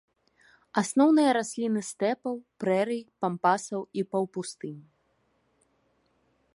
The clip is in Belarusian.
Асноўныя расліны стэпаў, прэрый, пампасаў і паўпустынь.